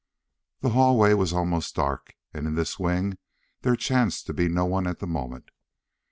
The hallway was almost dark and in this wing there chanced to be no one at the moment.